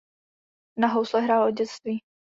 Na housle hrál od dětství.